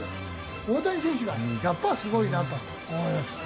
大谷選手がやっぱりすごいなと思います。